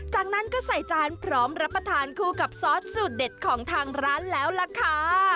จากนั้นก็ใส่จานพร้อมรับประทานคู่กับซอสสูตรเด็ดของทางร้านแล้วล่ะค่ะ